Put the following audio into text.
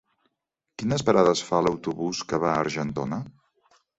Quines parades fa l'autobús que va a Argentona?